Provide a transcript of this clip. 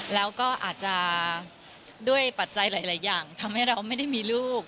แล้วก็อาจจะด้วยปัจจัยหลายอย่างทำให้เราไม่ได้มีลูก